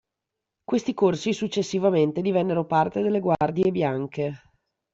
Questi corsi successivamente divennero parte delle Guardie Bianche.